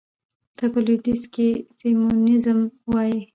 ته په لوىديځ کې فيمينزم وايي.